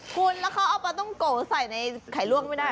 คุณแล้วเขาเอาปลาต้องโกะใส่ในไข่ลวกไม่ได้